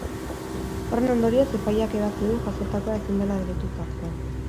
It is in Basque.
Horren ondorioz, epaileak ebatzi du jazotakoa ezin dela delitutzat jo.